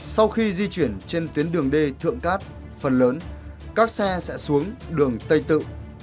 sau khi di chuyển trên tuyến đường d thượng cát phần lớn các xe sẽ xuống đường tây tự